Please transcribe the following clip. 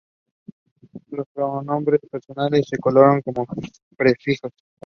Los pronombres personales se colocan como prefijos.